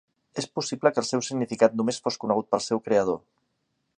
És possible que el seu significat només fos conegut pel seu creador.